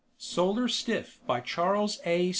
net SOLAR STIFF By CHAS. A.